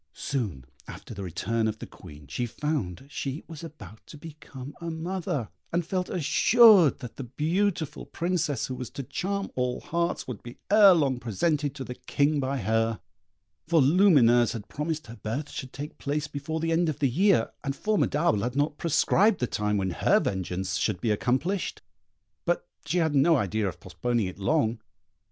Soon after the return of the Queen she found she was about to become a mother, and felt assured that the beautiful Princess who was to charm all hearts would be ere long presented to the King by her, for Lumineuse had promised her birth should take place before the end of the year, and Formidable had not prescribed the time when her vengeance should be accomplished; but she had no idea of postponing it long.